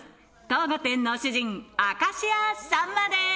当御殿の主人明石家さんまです